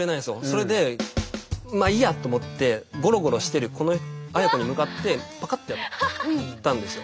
それでまあいいやと思ってごろごろしてるこの綾子に向かってパカッてやったんですよ。